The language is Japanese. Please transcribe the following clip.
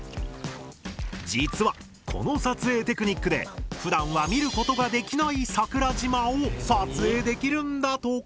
実はこの撮影テクニックでふだんは見ることができない桜島を撮影できるんだとか。